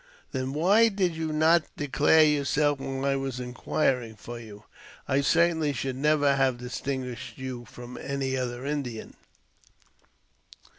''Then why did you not declare yourself when I was in quiring for you ? I certainly should never have distinguished you from any other Indian."